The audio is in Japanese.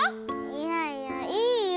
いやいやいいよ。